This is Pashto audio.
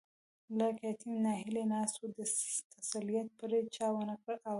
لکه يتيم ناهيلی ناست وو، د تسليت پرې چا ونکړل آوازونه